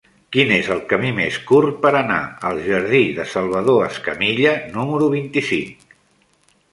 Quin és el camí més curt per anar al jardí de Salvador Escamilla número vint-i-cinc?